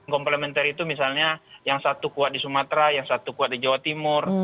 komplementari itu misalnya yang satu kuat di sumatera yang satu kuat di jawa timur